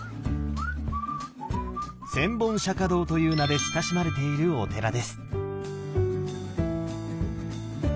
「千本釈堂」という名で親しまれているお寺です。